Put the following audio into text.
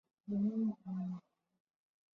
电影普遍地得到负面评价及票房失败。